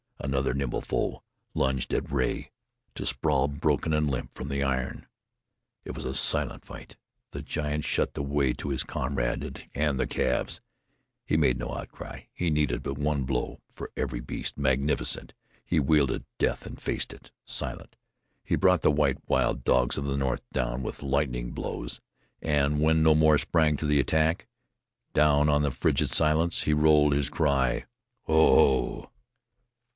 Another nimble foe lunged at Rea, to sprawl broken and limp from the iron. It was a silent fight. The giant shut the way to his comrade and the calves; he made no outcry; he needed but one blow for every beast; magnificent, he wielded death and faced it silent. He brought the white wild dogs of the north down with lightning blows, and when no more sprang to the attack, down on the frigid silence he rolled his cry: "Ho! Ho!"